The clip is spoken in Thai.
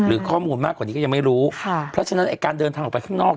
ข้อมูลมากกว่านี้ก็ยังไม่รู้ค่ะเพราะฉะนั้นไอ้การเดินทางออกไปข้างนอก